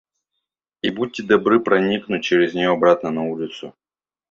И будьте добры проникнуть через нее обратно на улицу.